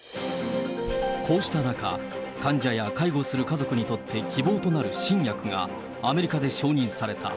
こうした中、患者や介護する家族にとって希望となる新薬がアメリカで承認された。